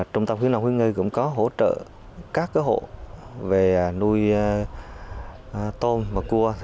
qua thì trung tâm khuyến lộng khuyến ngư cũng có hỗ trợ các hộ về nuôi tôm và cua